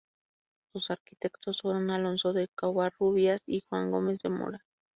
Sus arquitectos fueron Alonso de Covarrubias y Juan Gómez de Mora.